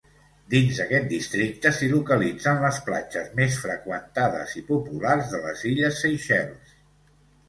Dins aquest districte s'hi localitzen les platges més freqüentades i populars de les illes Seychelles.